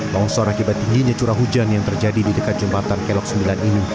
longsor akibat tingginya curah hujan yang terjadi di dekat jembatan kelok sembilan ini